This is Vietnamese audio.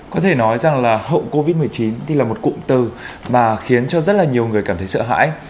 có thể nói rằng là hậu covid một mươi chín thì là một cụm từ mà khiến cho rất là nhiều người cảm thấy sợ hãi